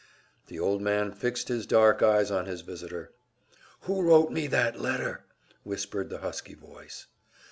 The old man fixed his dark eyes on his visitor. "Who wrote me that letter?" whispered the husky voice.